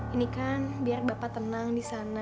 ini kan biar bapak tenang di sana